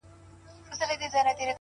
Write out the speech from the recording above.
ځوان يوه غټه ساه ورکش کړه’